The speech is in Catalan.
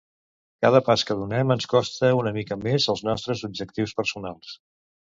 Cada pas que donem ens acosta una mica més als nostres objectius personals.